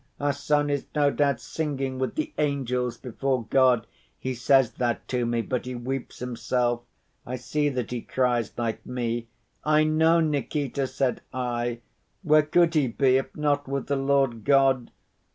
Our son is no doubt singing with the angels before God.' He says that to me, but he weeps himself. I see that he cries like me. 'I know, Nikita,' said I. 'Where could he be if not with the Lord God?